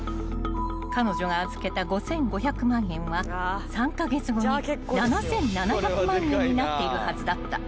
［彼女が預けた５，５００万円は３カ月後に７，７００万円になっているはずだった］